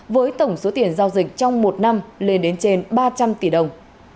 với tổng số tiền giao dịch trong một năm lên đến trên ba trăm linh tỷ đồng